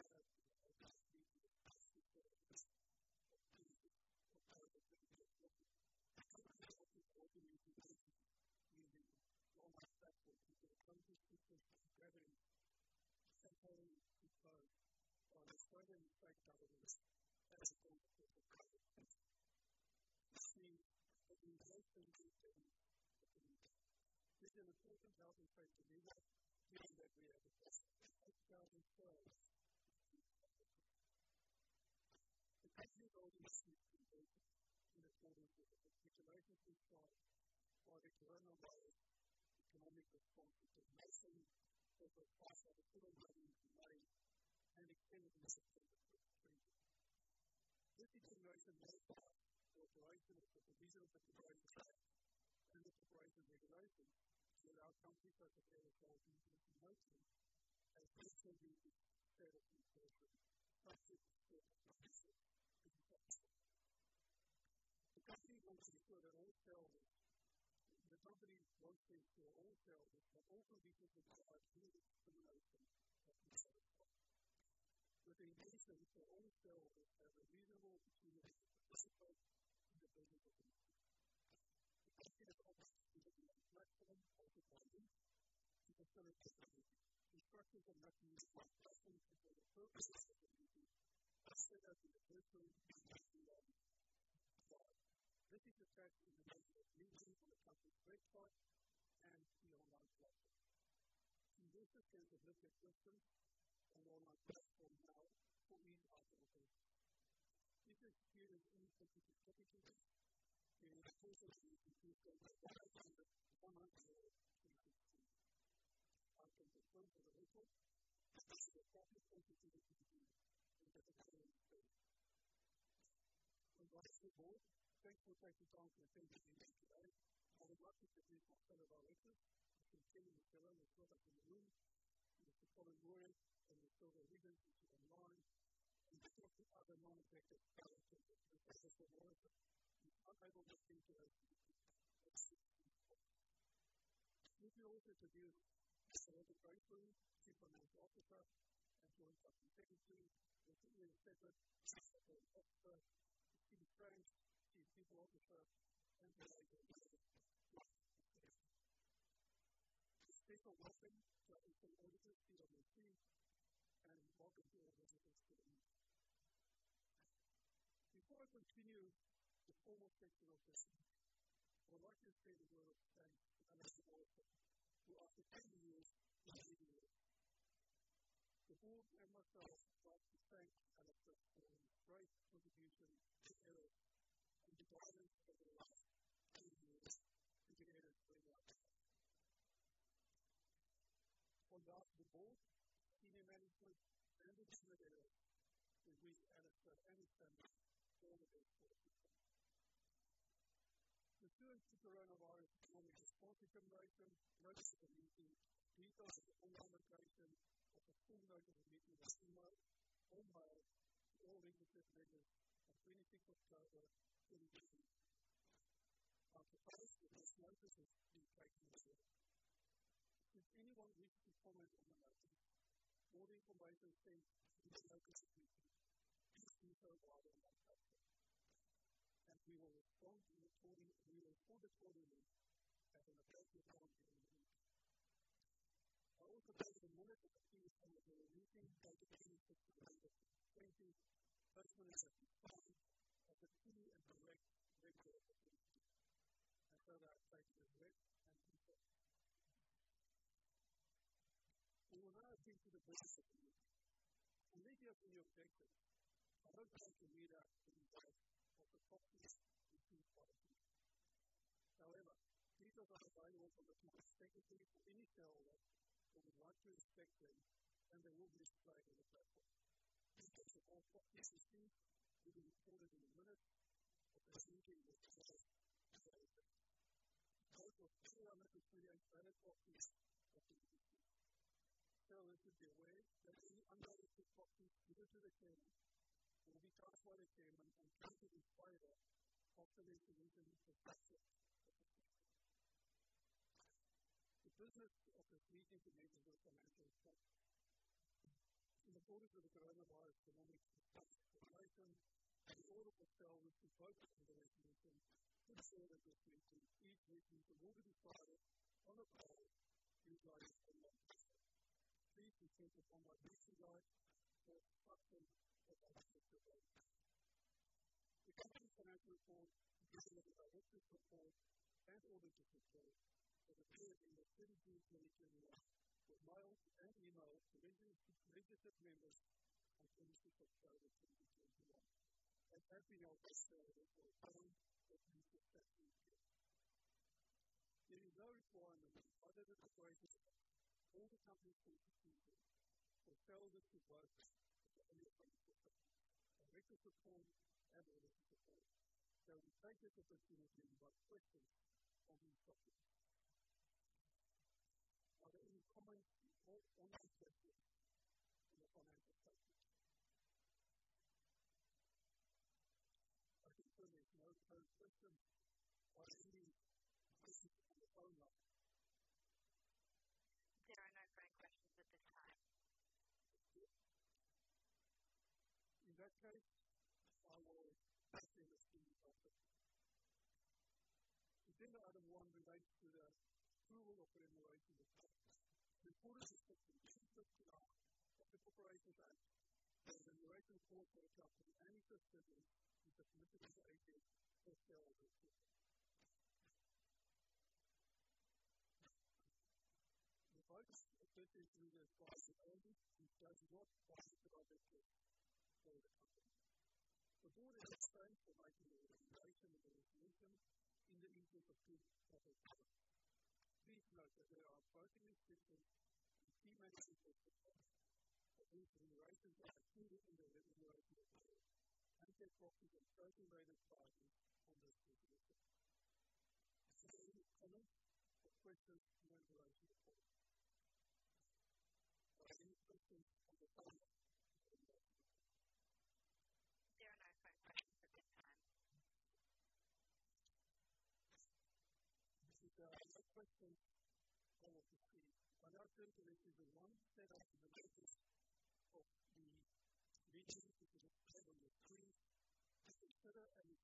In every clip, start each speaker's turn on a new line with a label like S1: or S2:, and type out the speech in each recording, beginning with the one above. S1: Good morning and welcome to the 2021 Annual General Meeting of Aeris Resources Limited. This is the last virtual meeting we will have for some time. Now I declare the meeting officially open. On behalf of the board, and the other non-executive directors that are present on the call with us, who are able to attend today's meeting. Let me also introduce our other directors, Chief Financial Officer Robert Brainsbury, Associate Director Stephanie Loader, Chief Operating Officer, Ian Sheppard, Chief People Officer, Kim Grayling and Director of. Please welcome our internal auditors, PwC, and welcome to our visitors to the meeting. Before I continue the formal section of this meeting, I would like to say the words thank you to Alastair Morrison for his 10 years of leading us. The board and myself would like to thank Alastair for her great contribution to the area of development of our community and to the areas where we are today. On behalf of the board, senior management, and the shareholders, we wish Alastair and his family all the best for the future. The current Coronavirus Economic Response Determination relative to the meeting details and implementation of the full notice of the meeting by email or mail to all registered members on 25th of February 2020. Our proposed notice is being placed in the board. If anyone wishes to comment on the notice, board information sent through the notice of the meeting, please do so via our website, and we will respond in the quarter. We will hold a quarterly meeting at an appropriate forum in the near future. I also note that the minutes of today's meeting will be posted to the website of the company by 25th of March as a free and direct regular opportunity. I further advise that Rick and Peter, we will now attend to the business of the meeting. In meeting of the objectives, I don't want to read out the results of the proxies received by the board. However, these are now available on the company's website for any shareholder who would like to inspect them, and they will be displayed on the platform. Details of all proxies received will be recorded in the minutes of our meeting that will follow today's session. Note that only our validly voted proxies have been received. Shareholders should be aware that any unvoted proxies submitted again will be counted again and counted in favor of the recommendation for approval of the proposal. The business of this meeting is to take note of the financial statements. In the context of the Coronavirus Economic Response Determination and in order for shareholders to focus on their investments, this board has decided to hold meetings in order to provide proper guidance and market updates. Please check our website for updates and other materials. The company's financial reports, including the director's report and auditor's report, are included in the 2021 annual report, mailed and emailed to registered members on 25th of February 2021. As we all know, shareholders are informed of these exact details.
S2: There are no current questions at this time.
S1: In that case, I will move to agenda item one, which relates to the approval of the Remuneration Report. The report is consistent with the listing rules of the ASX, and the Remuneration Report for the company and its subsidiaries is submitted to ASIC for public disclosure. The audit committee reviewed and approved the audit report, which is unqualified for the company. The board has approved providing the remuneration information in the interest of full disclosure. Please note that there are both executive and key management positions for which remunerations are included in the Remuneration Report, and their costs are separately identified on those pages. Are there any comments or questions on the Remuneration Report? Are there any questions on the phone?
S2: There are no phone questions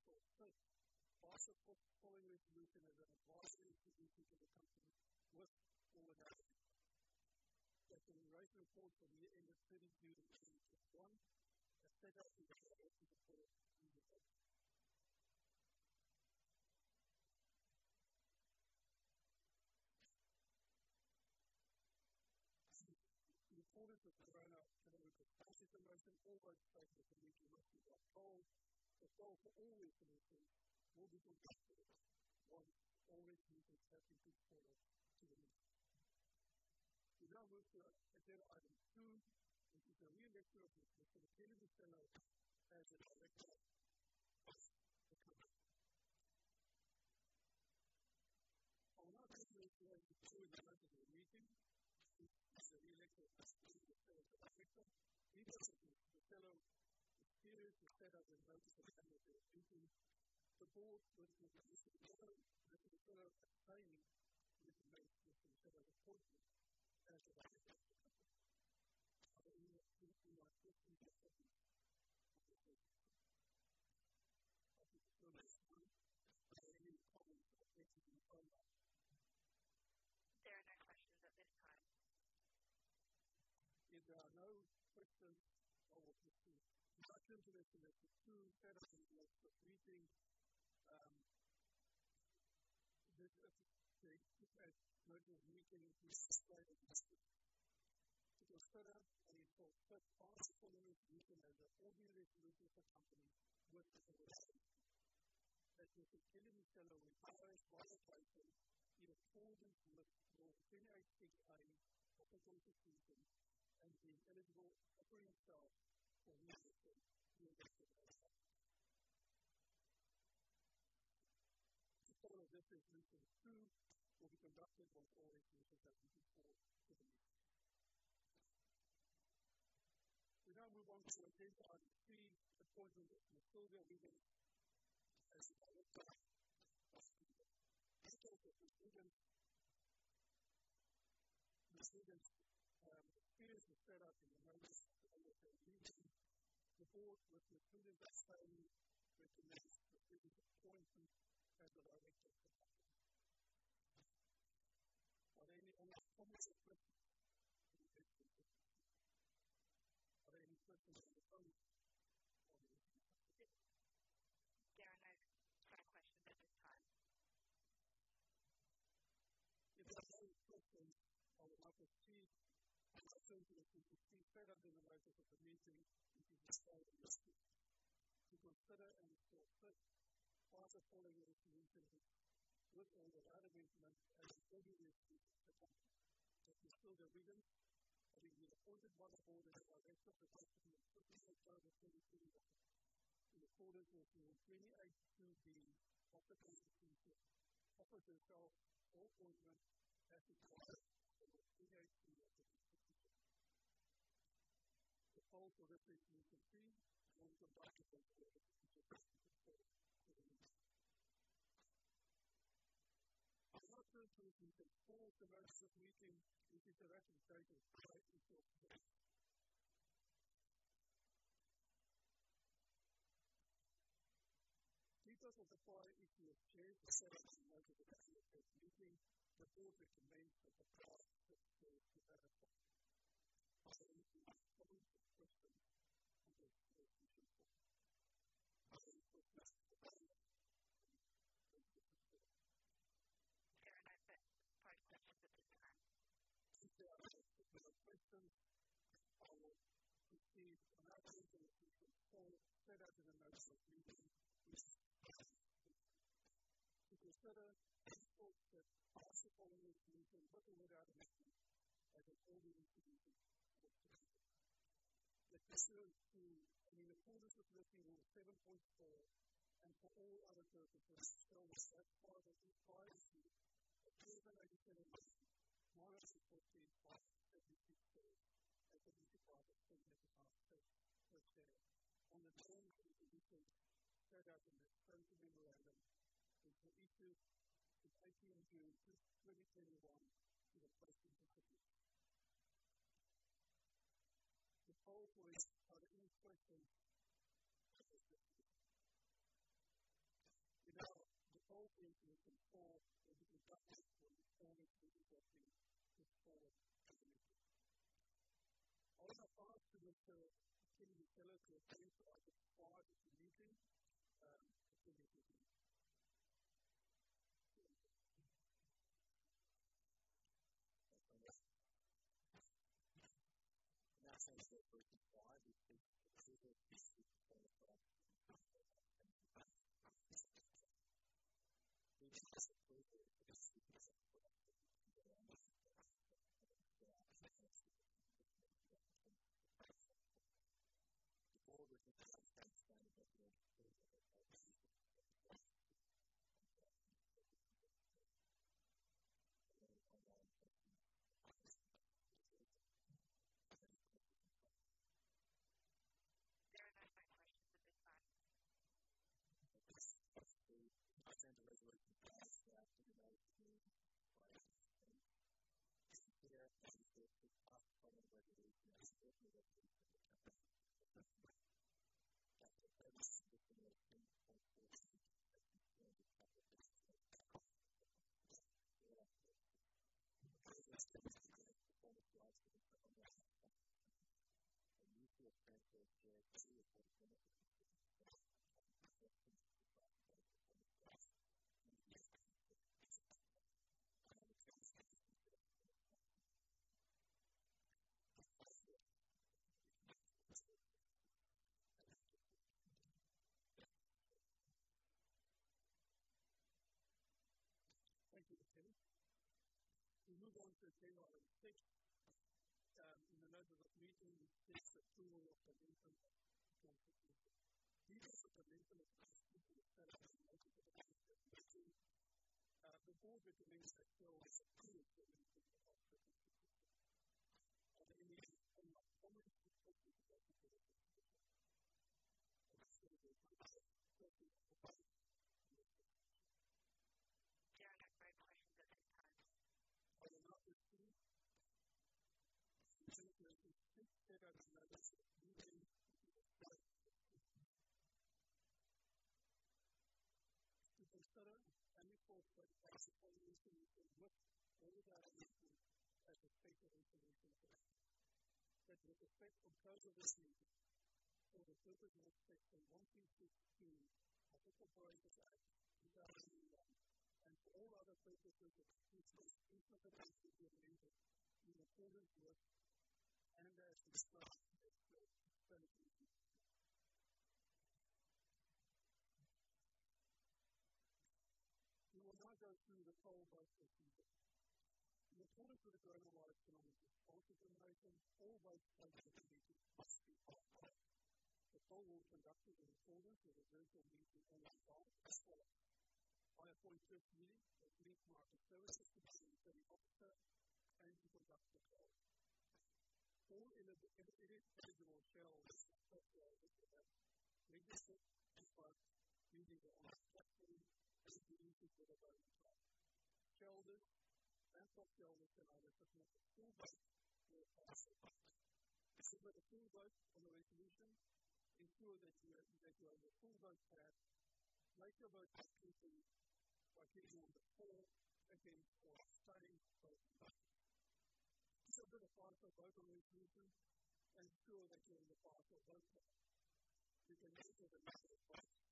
S2: at this time.
S1: If there are no questions, I will proceed. I now turn to the one set of nominations of the meeting, which is agenda number three, to consider and approve first pass the following resolution as an advisory resolution to the company with ordinary resolution. The remuneration report for the year ended 30 June 2021, as set out in the table in the form of three pages. The audit of the granular elements of policy dimension, although it's part of the meeting, must be controlled. The poll for all resolutions will be conducted once all resolutions have been put forward to the meeting. We now move to agenda item two, which is the re-election of Mr. Michele Muscillo as an elected director of the company. On our business meeting held in the light of the meeting, the re-election of Mr. Michele Muscillo as director. Because Mr. In light of the previous meeting, the board recommends that the shareholders at the same meeting make Mr. Muscillo's appointment as an elected director. Are there any questions or comments on this item? Are there any comments or questions on the phone line?
S2: There are no questions at this time.
S1: If there are no questions, I will proceed. I now turn to the first set of resolutions for the meeting, as a virtual meeting is being held today. To consider and approve the following resolution as an ordinary resolution of the company. That Mr. Michele Muscillo retire in accordance with rule 28C of the Corporations Act and be eligible to offer himself for re-election as a director of the company. The poll for this resolution two will be conducted once all resolutions have been put forward to the meeting. We now move on to agenda item three, appointment of Ms. Sylvia Wiggins as a director. Because Ms. Sylvia Wiggins appears as set out in the notice of the meeting, the board recommends that shareholders at the same meeting make Ms. Sylvia Wiggins's appointment as an elected director. Are there any comments or questions on this item? Are there any questions on the phone line on the item?
S2: There are no current questions at this time.
S1: If there are no questions, I will now proceed. I now turn to item three, set out in the notice of the meeting which is rendered in accordance with and as required by section 38B. We will now go through the poll procedure. In accordance with the Coronavirus Economic Response Determination, all votes taken at this meeting must be by poll. The poll will be conducted in a manner that ensures you can only vote by poll. I appoint Michele Muscillo, the Company Secretary, to conduct the poll. All eligible shareholders are authorized to vote. Register in advance using the online voting page included in the Lumi voting. Shareholders and non-shareholders can either submit a full vote or a partial vote. To submit a full vote on the resolution, ensure that you are in a full vote tab, make your vote by ticking the for, against or abstain boxes. To submit a partial vote on the resolution, ensure that you're in the partial vote tab. You can enter the number of votes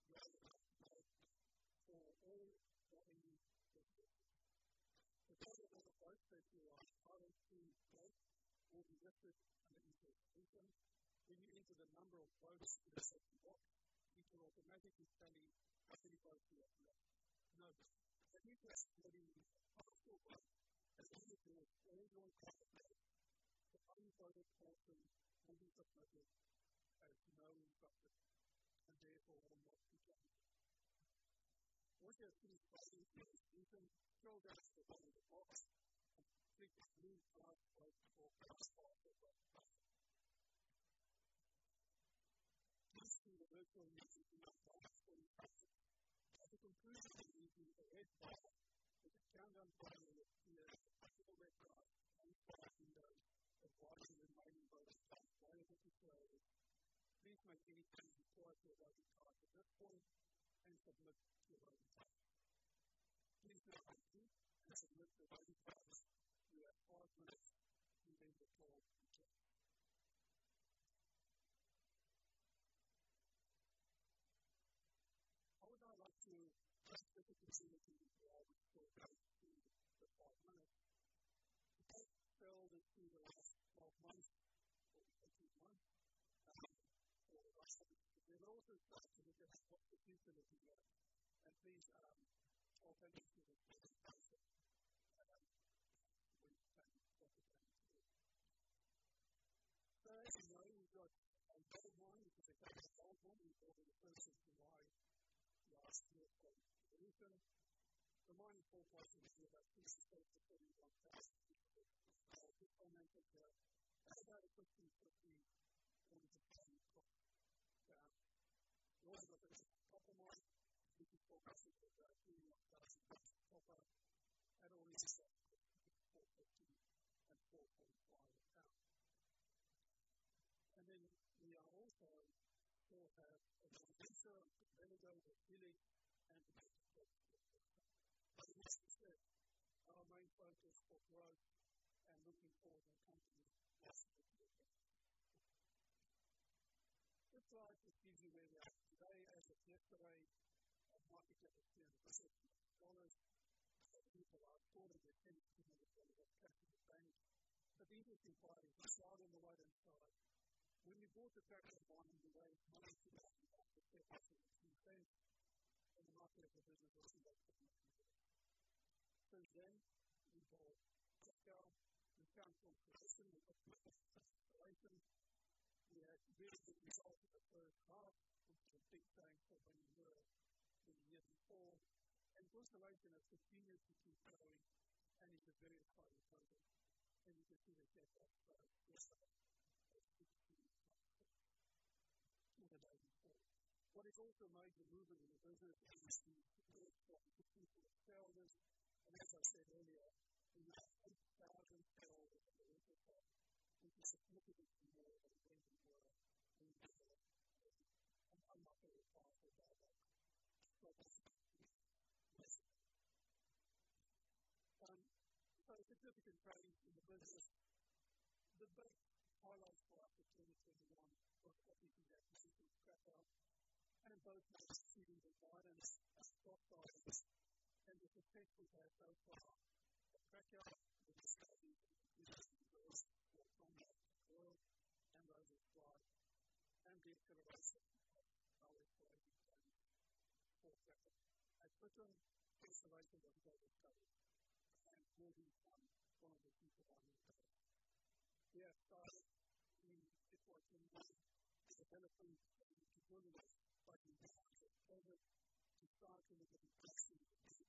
S1: you wish to vote for all or any resolution. To total all the votes that you are currently voting for all the resolutions submitted for your attention, when you enter the number of votes in the voting box, it will automatically tally how many votes you have left. Note that if you are voting a partial vote, as only the votes that you have voted for are counted, the unvoted partial will be considered as no instruction, and therefore will not be counted. Once you have finished voting for all the items, scroll down to the bottom of the box and click the blue Submit Vote or Cast Vote button. Please see the reference link in your notes for instructions. To conclude the meeting, click Exit now. There's a countdown timer that appears in the lower right-hand corner of the window advising the remaining voting time available to you. Please make any changes required to your voting card at this point and submit your voting card. Please note that if you click and submit the voting card, you will have five minutes to amend the poll if needed. I would now like to officially close the meeting. Then we will have a new venture with Helix with Billy and. Our main focus for growth and looking for the company. This slide just gives you where we are today as at yesterday. Our market cap is AUD 250 million. People are calling it AUD 10 billion of cash in the bank. The beauty is in mining, top right on the right-hand side. When you bought the first mining delay. Since then we bought Cracow, we found some production. We had really good results in the H1, which was a big bang for when we were in year four. It was the right thing as the premium continues growing and is a very high component. You can see the cash outflow. What has also made the movement in the business is the support from the people at Sheldon. As I said earlier, we have 8,000 people at the winter time which is supportive of the more than 24. Significant growth in the business. The biggest highlights for opportunity number one was obviously that we did Cracow and bought it at stock price. The success we've had so far at Cracow and those as well. The exploration I touched on exploration on both sides and moving from one of the pits to the other. We started in 2020 developing too battling COVID. We started in the construction of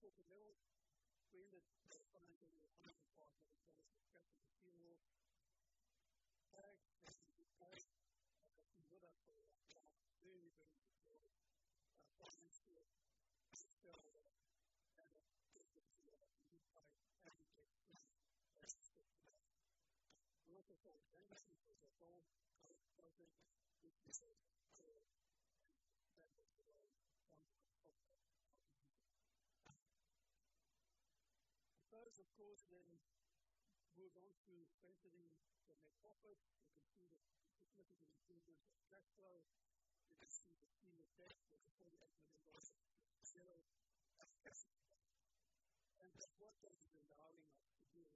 S1: the year and then we went over to our fund for better part of the company and focus. Those are milestones to follow the success of the year. We took the challenge to set everything for future growth. I thought the real win that defined in 105 was the capital raise. That can be replayed whenever. It was very, very good. But we still sealed that and hopefully we can deploy assets. Of course, we then moved on to entering the next phase. You can see the significant improvement of cash flow. You can see the senior debt was AUD 48 million, zero. Most importantly, the dialing up to do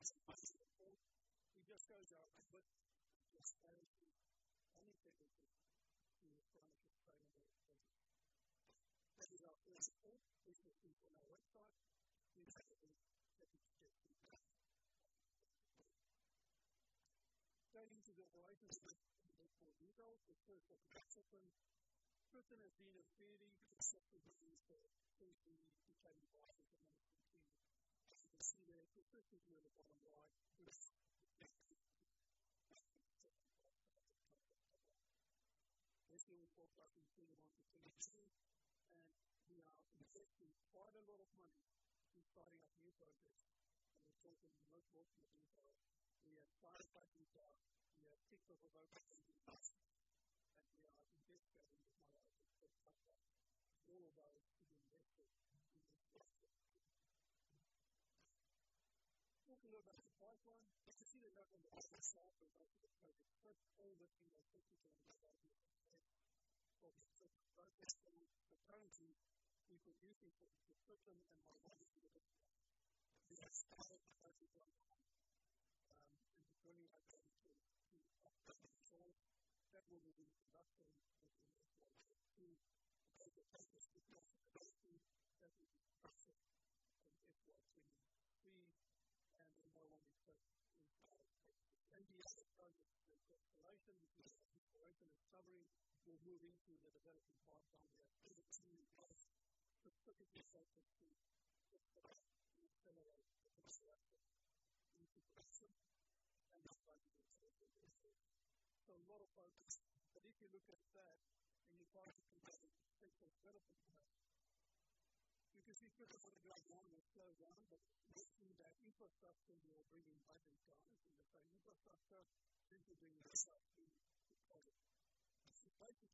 S1: with the start of the new projects and not internal entirely unique range of assets. These are first discussed by the quarterly report. We just got down but to guarantee any benefits of trying to retain them. That is our first report which you'll see on our website. We have a second check. Turning to the horizon, we have more details. The first one is Tritton. Tritton has been a very successful business for us in the changing price of AUD 110. You can see there, Tritton is near the bottom right. Investing in AUD 4,260. We are investing quite a lot of money in starting up new projects and also the most fortunate ones are we have 5 pipe deals now. We have 6 of our own companies, and we are investing in smaller projects such as all of those to be invested in the next step. Talk a little about the pipeline.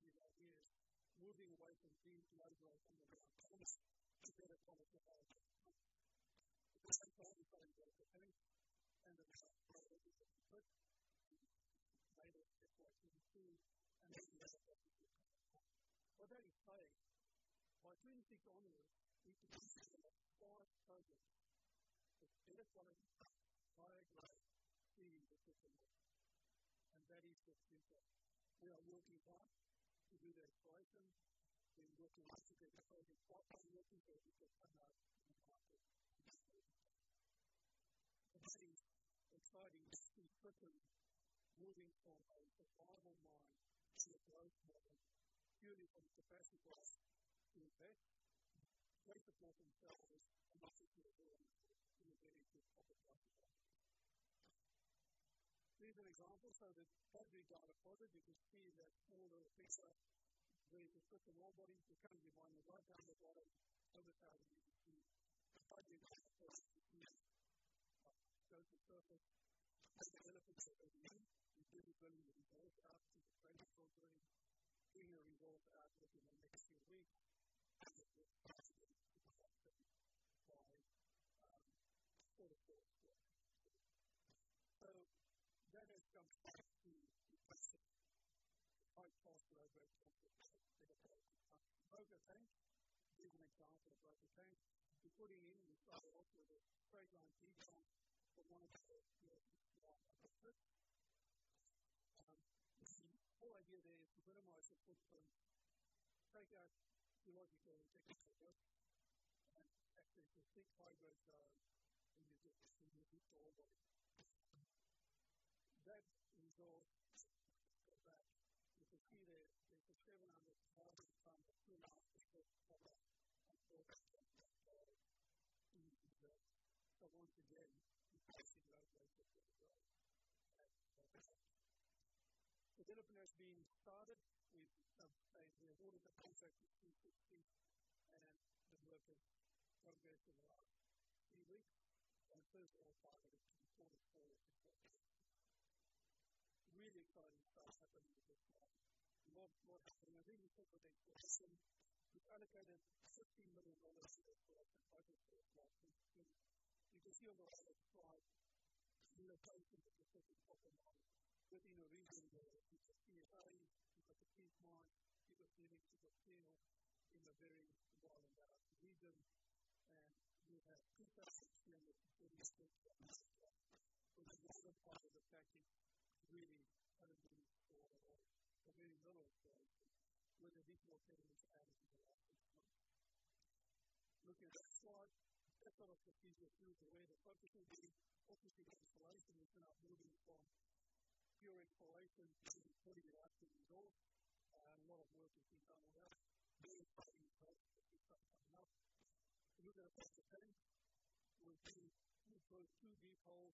S1: You can see the work on the right-hand side. Those are the projects. First, all those in the AUD 50 million to AUD 100 million set of projects that we currently pursuing for construction and mining. Returning, as I mentioned, to operational control. That will be industrial in FY 2022. All the focus is on the quality. That will be construction in FY 2023.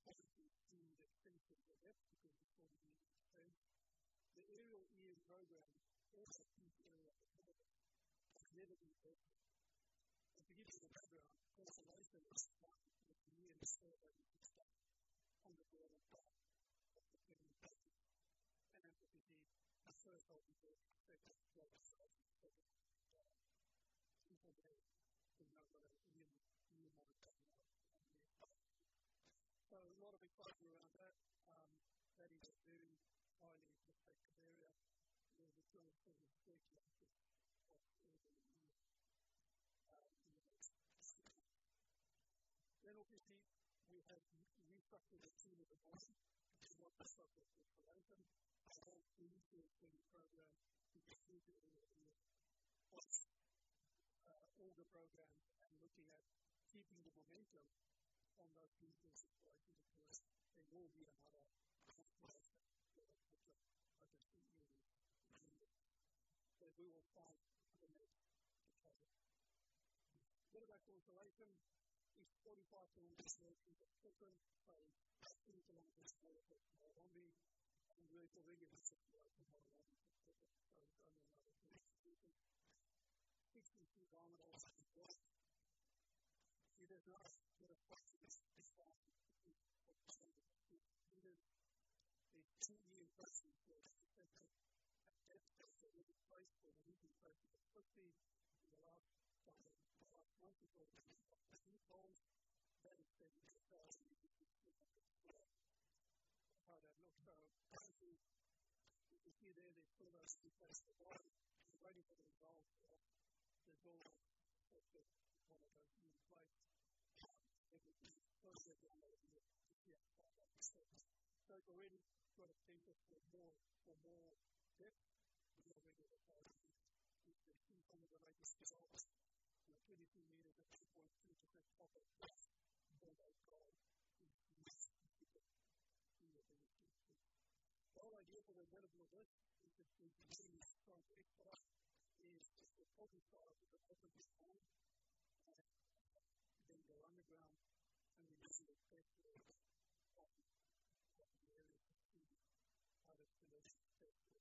S1: By one expressed in FY 2024. The other project is consolidation because the horizon is covering. We're moving to just to summarize, grade exploration at both grading exploration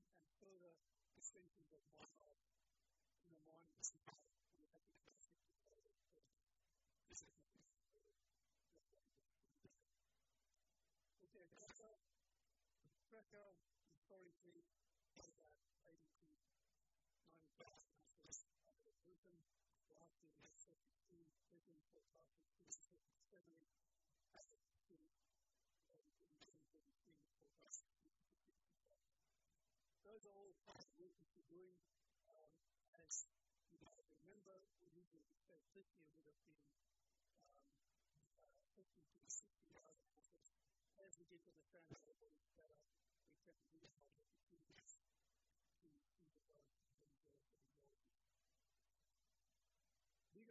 S1: and further extension of 1 South in the mine 50+. Those are all kind of linked to doing as you can remember. We usually expect this year would have been 14-16. As we did for the transaction, we set up a set of initiatives to develop and build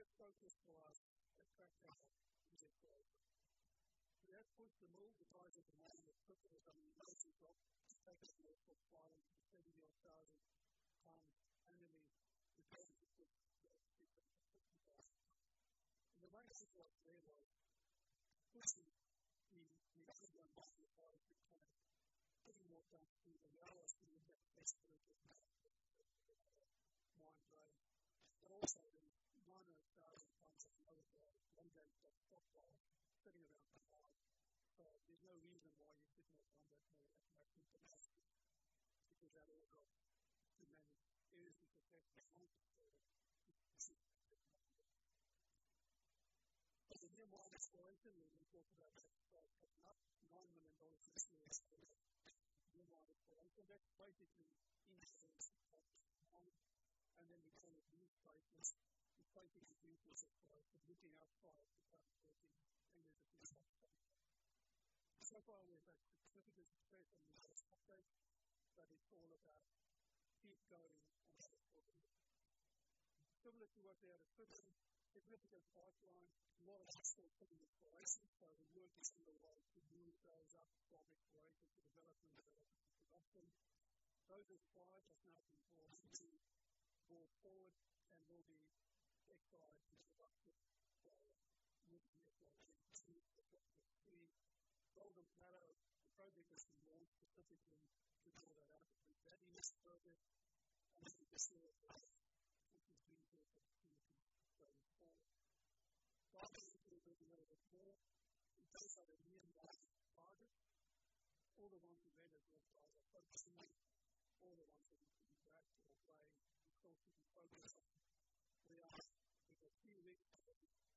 S1: for the future. We have focused a lot on track record to date. That's pushed the move to target the mining of 1 South and the results of second quarter 2020 on any return to 16. The mine support really pushes the need to run just the 160 putting more time to the RLSC impact base versus mine drive. Also the miners started to find that other long depth crosscuts sitting around the mine. There's no reason why you couldn't have long depth mining at 16 because that will drop too many areas to protect the long-term. The new mining exploration we've been talking about. That's basically it and then we call it new cycles. It's basically resources we're looking outside the current workings and there's a few options. So far we've had significant success on the surface. It's all about keep going on the surface. Similar to what we had at Pilgrim, significant pipeline, a lot of potential for new exploration. We're working through a way to move those up from exploration to development to production. Those acquired have now been brought forward and will be exercised in the months to come. Working exercise into what was pretty golden matter. The project has been launched specifically to draw out the value of the project. This year it's been through a transition phase, finally to the development work. We talk about a new mining target. All the ones we've had as well as both of them. All the ones that we should be back to applying the full suite of programs. There are a few mechanisms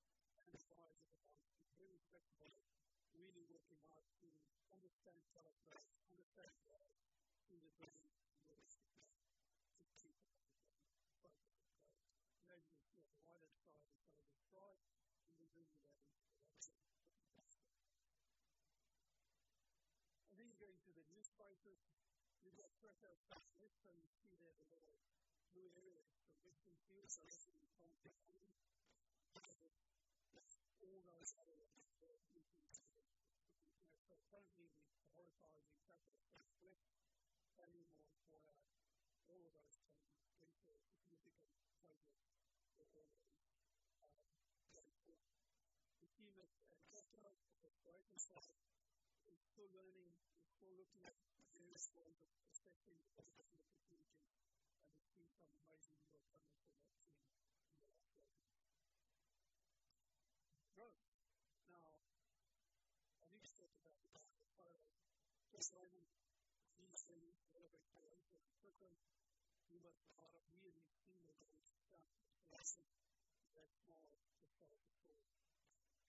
S1: and five of the ones which really recognize working hard to understand how it works and effectively in the building to keep up with the program. Now you can see on the right-hand side the target price and the movement of it. Going to the new cycles. We've got fresh outback list and you see there the little blue area is the victim field. Looking at all those other areas. Currently, on the horizon we have a quick plan in place for all of those changes into a significant cycle. The team at the Brighton side is still learning, is still looking at various forms of prospecting and opportunity. It's been some amazing work done by that team in the last year. Now, I think we spoke about this as part of designing the new semi delivery for the second. We must not have really seen those steps to take that small step forward.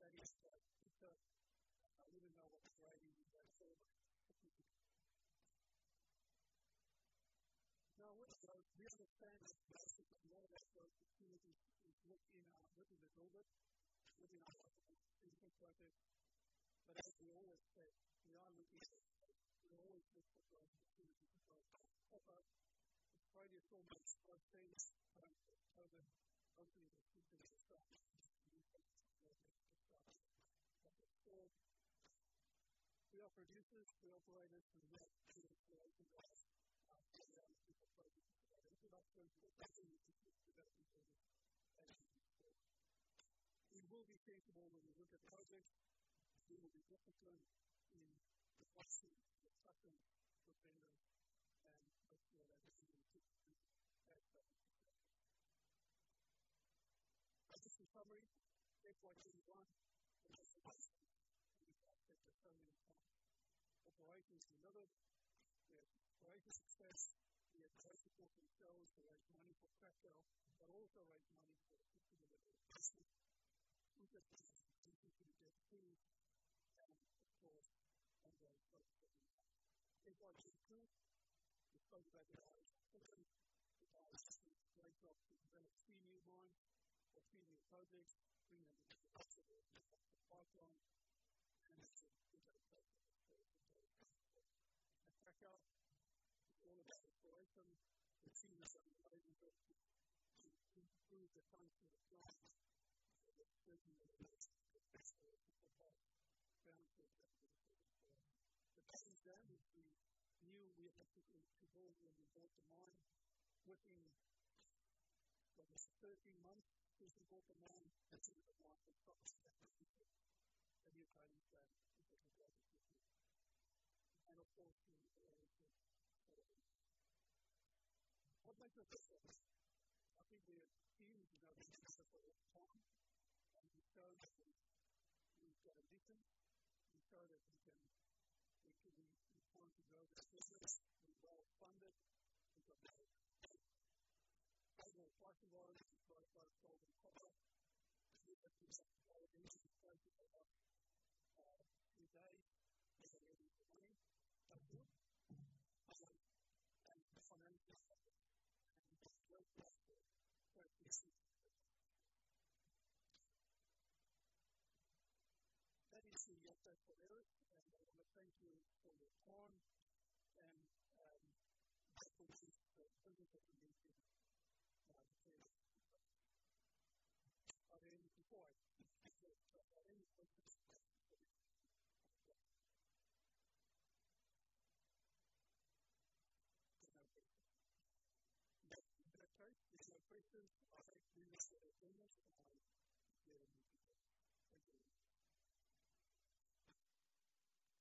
S1: That is because I didn't know what grading was like. Now with those, we understand the benefits of more of that work. The team is looking at what is the goal within our life and things like that. As we always say, beyond looking at it, we always look for those opportunities as well. Thank you so much for staying with us as a company that keeps itself. We are producers, we are operators. That's what we are looking at. That's what our team is looking to do best in terms of activity. We will be thankful when we look at projects. We will be more concerned in the costing, the cycle, the vendor. Hopefully that will be achieved as well. Project summary. FY 2021. Operations delivered. We had exploration success. We had very important sales to raise money for Tritton, but also raise money for the future development of Pilgrim. Interest in the potential to get through, and of course ongoing project FY 2022. The scope of that is important. It allows us to raise up to develop three new mines or three new projects, bring them into the pipeline. It's a good outcome for the project. At Tritton, all of that exploration has seen us underway in both improving the tonnage to the block. But that is the new we have to evolve when we build the mine working for the first few months since we built the mine. That's a good one for us. The exciting plan for the project this year. Of course the related projects. What makes us excited? I think we have a team without any couple of times. We show that we've got a vision. We show that we want to go there further. We're well funded. We've got great global pipeline. We've got both gold and copper. We've got a team that's already excited about every day. And the finance and just work for it. That is my time for now. I'm trying to follow Tom. Hopefully something that we did. Are there any questions? If there are questions, I'll actually